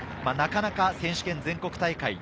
なかなか選手権、全国大会